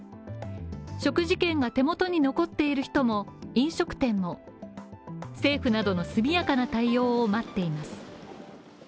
食事券が手元に残っている人も飲食店も政府の速やかな対応を待っています。